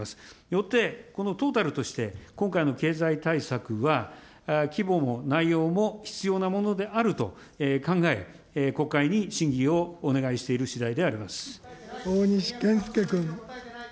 よって、このトータルとして、今回の経済対策は、規模も内容も必要なものであると考え、国会に審議をお願いしているしだいであり大西健介君。